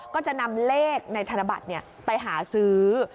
ก็จะนำเลขในธนบัตรไปหาซื้อ